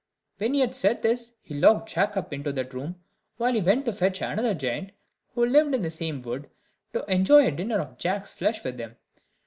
When he had said this, he locked Jack up in that room, while he went to fetch another giant, who lived in the same wood, to enjoy a dinner off Jack's flesh with him.